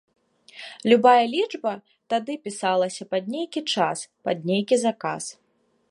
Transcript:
Любая лічба тады пісалася пад нейкі час, пад нейкі заказ.